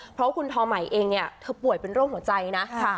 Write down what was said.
เพราะว่าคุณทอใหม่เองเนี่ยเธอป่วยเป็นโรคหัวใจนะ